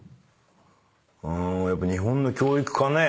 うーんやっぱ日本の教育かね。